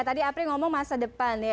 tadi apri ngomong masa depan ya